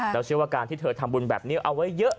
แล้วเชื่อว่าการที่เธอทำบุญแบบนี้เอาไว้เยอะ